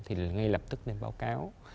thì ngay lập tức nên báo cáo